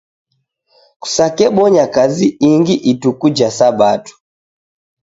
Kusakebonya kazi ingi ituku ja sabato.